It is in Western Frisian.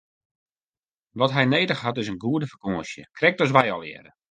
Wat hy nedich hat is in goede fakânsje, krekt as wy allegearre!